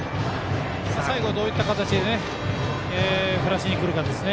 最後どういった形で振らせにくるかですね。